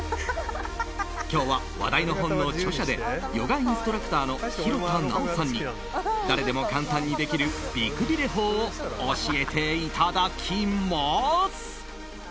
今日は話題の本の著者でヨガインストラクターの廣田なおさんに誰でも簡単にできる美くびれ法を教えていただきます。